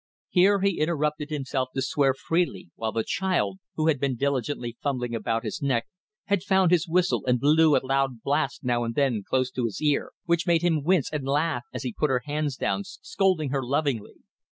Here he interrupted himself to swear freely, while the child, who had been diligently fumbling about his neck, had found his whistle and blew a loud blast now and then close to his ear which made him wince and laugh as he put her hands down, scolding her lovingly.